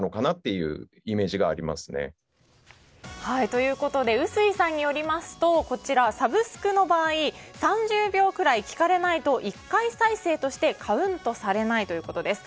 ということで臼井さんによりますとサブスクの場合３０秒くらい聴かれないと１回再生としてカウントされないということです。